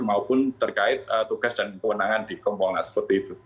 maupun terkait tugas dan kewenangan di kompolnas seperti itu